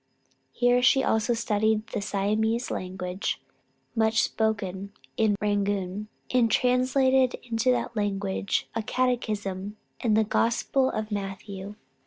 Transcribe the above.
Here she also studied the Siamese language, much spoken in Rangoon, and translated into that language a catechism, and the Gospel of Matthew.